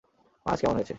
মাছ কেমন হয়েছে?